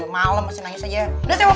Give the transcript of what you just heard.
malem masih nangis aja ya